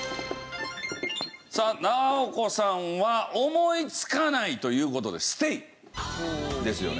さあナオコさんは思いつかないという事でステイですよね？